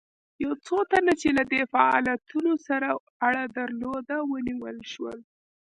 یو څو تنه چې له دې فعالیتونو سره یې اړه درلوده ونیول شول.